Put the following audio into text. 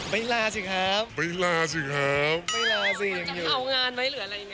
ไม่ลาสิครับไม่ลาสิครับไม่ลาสิมันจะเผางานไหมหรืออะไรยังไงไหม